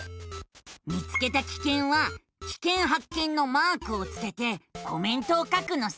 見つけたキケンはキケンはっけんのマークをつけてコメントを書くのさ。